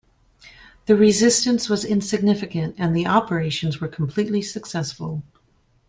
The resistance was insignificant, and the operations were completely successful.